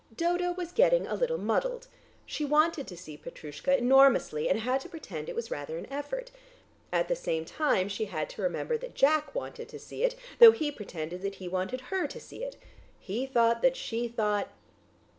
Dodo was getting a little muddled; she wanted to see "Petroushka" enormously, and had to pretend it was rather an effort; at the same time she had to remember that Jack wanted to see it, though he pretended that he wanted her to see it. He thought that she thought....